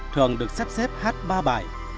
thường được sắp xếp hát ba bài